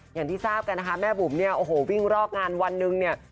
อย่างที่ทราบกันนะคะแม่บุ๋มเนี่ยโอ้โหวิ่งรอกงานวันหนึ่งเนี่ย